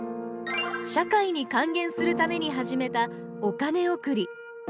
社会に還元するために始めたお金贈り。